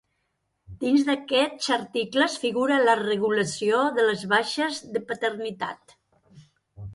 Dins d’aquests articles figura la regulació de les baixes de paternitat.